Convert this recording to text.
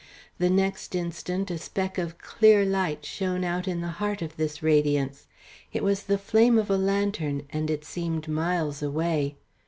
The next instant a speck of clear light shone out in the heart of this radiance: it was the flame of a lantern, and it seemed miles away.